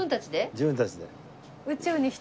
自分たちで。